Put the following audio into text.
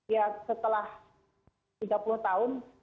ya setelah tiga puluh tahun